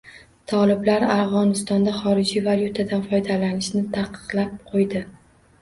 Toliblar Afg‘onistonda xorijiy valyutalardan foydalanishni taqiqlab qo‘yding